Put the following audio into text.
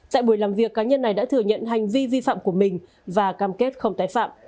tại buổi làm việc cá nhân này đã thừa nhận hành vi vi phạm của mình và cam kết không tái phạm